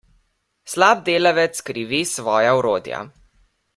Slab delavec krivi svoja orodja.